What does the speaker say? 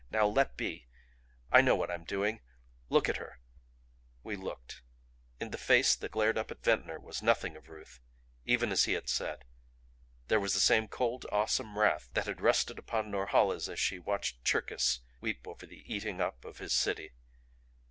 Now let be. I know what I'm doing. Look at her!" We looked. In the face that glared up at Ventnor was nothing of Ruth even as he had said. There was the same cold, awesome wrath that had rested upon Norhala's as she watched Cherkis weep over the eating up of his city.